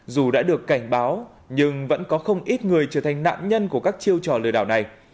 dù đã được cảnh báo nhưng vẫn có không ít người trở thành nạn nhân của các chiêu trò lừa đảo này